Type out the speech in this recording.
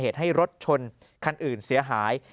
เหตุให้รถชนคันอื่นเสียหาย